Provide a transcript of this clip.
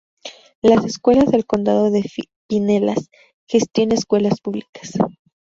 Las Escuelas del Condado de Pinellas gestiona escuelas públicas.